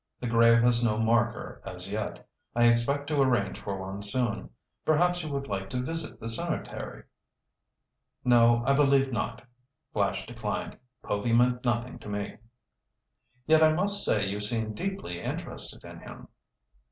The grave has no marker as yet. I expect to arrange for one soon. Perhaps you would like to visit the cemetery?" "No, I believe not," Flash declined. "Povy meant nothing to me." "Yet I must say you seem deeply interested in him."